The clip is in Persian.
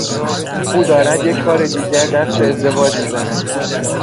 او دارد یکبار دیگر دست به ازدواج میزند.